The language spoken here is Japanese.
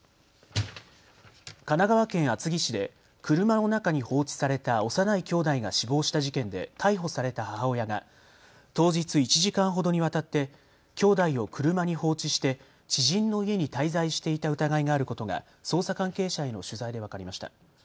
神奈川県厚木市で車の中に放置された幼いきょうだいが死亡した事件で逮捕された母親が当日１時間ほどにわたってきょうだいを車に放置して知人の家に滞在していた疑いがあることが捜査関係者への取材で分かりました。